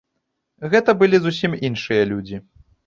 Гэта былі зусім іншыя людзі.